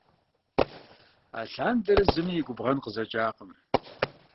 Алъандэрэ зыми и губгъэн къызэкӀакъым.